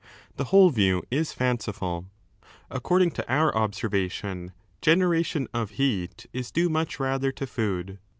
The whole view is fancifuL According to our observation generation of heat is due much rather to food.